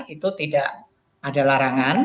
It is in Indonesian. itu tidak ada larangan